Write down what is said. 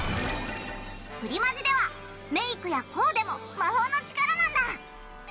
プリマジではメークやコーデも魔法の力なんだ！